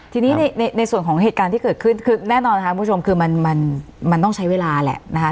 ทีนี้ในส่วนของเหตุการณ์ที่เกิดขึ้นคือแน่นอนค่ะคุณผู้ชมคือมันต้องใช้เวลาแหละนะคะ